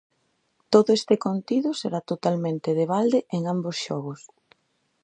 Todo este contido será totalmente de balde en ambos os xogos.